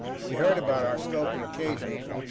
We heard about our stoker, occasionally.